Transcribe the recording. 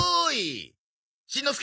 しんのすけひま。